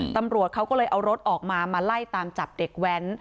ตำรวจเขาก็เลยเอารถออกมามาไล่ตามจับเด็กแว้น